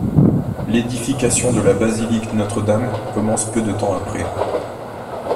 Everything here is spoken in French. L'édification de la basilique Notre-Dame commence peu de temps après.